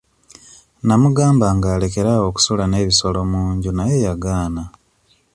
Namugambanga alekere awo okusula n'ebisolo mu nju naye yagaana.